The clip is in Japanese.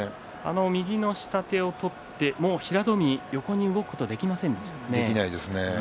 右の下手を取って平戸海、横に動くことができないですね。